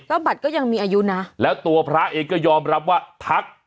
ก็บัตรก็ยังมีอายุนะแล้วตัวพระเองก็ยอมรับว่าทัก